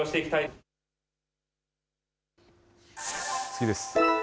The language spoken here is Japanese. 次です。